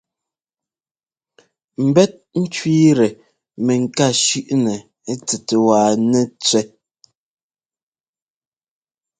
Mbɛ́t ŋ́kẅíitɛ mɛŋká shʉ́ꞌnɛ tsɛt wa nɛtsẅɛ́.